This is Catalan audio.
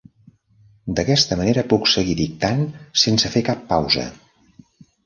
D'aquesta manera puc seguir dictant sense fer cap pausa.